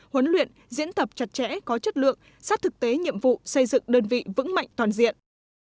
huấn luyện diễn tập chặt chẽ có chất lượng sát thực tế nhiệm vụ xây dựng đơn vị vững mạnh toàn diện